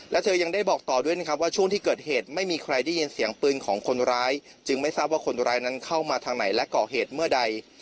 และเธอยังได้บอกต่อด้วยนะครับว่าช่วงที่เกิดเหตุไม่มีใครได้ยินเสียงปืนของคนร้ายจึงไม่ทราบว่าคนร้ายนั้นเข้ามาทางไหนและก่อเหตุเมื่อใด